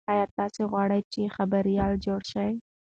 ایا تاسي غواړئ چې خبریال جوړ شئ؟